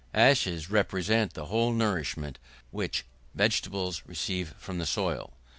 Ashes represent the whole nourishment which vegetables receive from the soil.